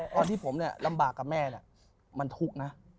ตอนที่ผมลำบากกับแม่มันทุกข์นะ